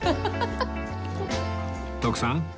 徳さん